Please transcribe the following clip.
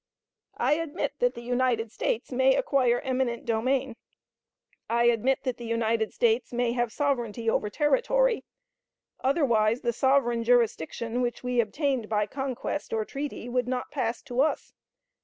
I admit that the United States may acquire eminent domain. I admit that the United States may have sovereignty over territory; otherwise the sovereign jurisdiction which we obtained by conquest or treaty would not pass to us.